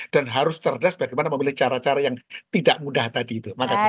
dan harus cerdas bagaimana memilih cara cara yang tidak mudah tadi itu